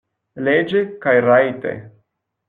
Leĝe kaj rajte.